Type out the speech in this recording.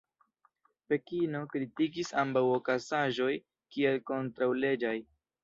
Pekino kritikis ambaŭ okazaĵoj kiel kontraŭleĝaj.